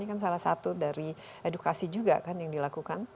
ini kan salah satu dari edukasi juga kan yang dilakukan